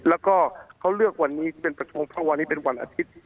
แล้วก็เขาเลือกวันนี้เป็นประชุมเพราะวันนี้เป็นวันอาทิตย์